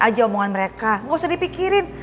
aja omongan mereka nggak usah dipikirin